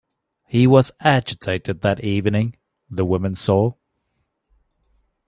He was agitated that evening, the woman saw.